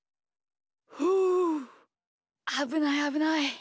ふうあぶないあぶない。